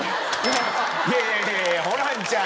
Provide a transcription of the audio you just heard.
いやいやいやホランちゃん。